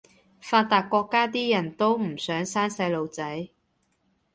發達國家啲人都唔想生細路仔